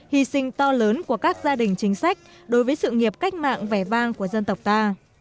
hy sinh to lớn của các gia đình chính sách đối với sự nghiệp cách mạng vẻ vang của dân tộc ta